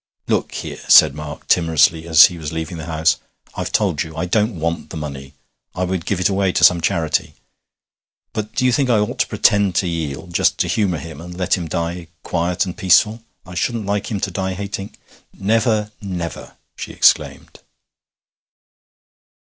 'Look here,' said Mark timorously as he was leaving the house, 'I've told you I don't want the money I would give it away to some charity; but do you think I ought to pretend to yield, just to humour him, and let him die quiet and peaceful? I shouldn't like him to die hating ' 'Never never!' she exclaimed.